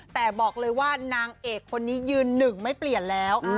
แต่บอกเลยว่านางเอกคนนี้ยืนหนึ่งไม่เปลี่ยนแล้ว